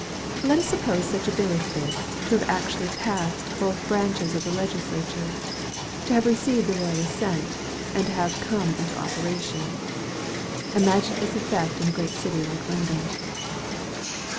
Let us suppose such a bill as this, to have actually passed both branches of the legislature; to have received the royal assent; and to have come into operation. Imagine its effect in a great city like London.